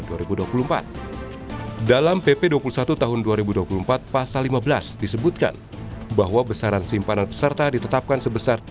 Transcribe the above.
dalam pp dua puluh satu tahun dua ribu dua puluh empat pasal lima belas disebutkan bahwa besaran simpanan peserta ditetapkan sebesar tiga puluh